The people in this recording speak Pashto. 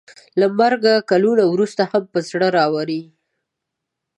له مرګ کلونه وروسته هم په زړه راووري.